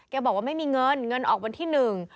บอกว่าไม่มีเงินเงินออกวันที่หนึ่ง